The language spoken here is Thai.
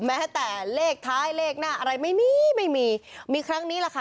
แม้แต่เลขท้ายเลขหน้าอะไรไม่มีไม่มีมีครั้งนี้แหละค่ะ